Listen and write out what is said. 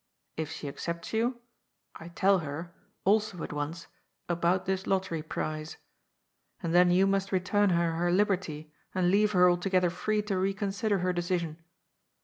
If she accepts you, I tell her, also at once, about this lottery prize. And then you must return her her liberty and leave her altogether free to reconsider her decision.